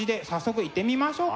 はいいってみましょう。